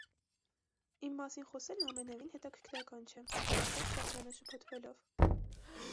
- Իմ մասին խոսելն ամենևին հետաքրքրական չէ,- ասաց Շահյանը շփոթվելով: